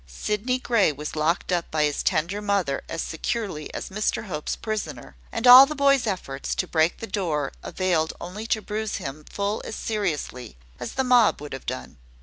Sydney Grey was locked up by his tender mother as securely as Mr Hope's prisoner; and all the boy's efforts to break the door availed only to bruise him full as seriously as the mob would have done.